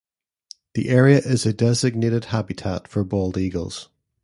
The area is a designated habitat for bald eagles.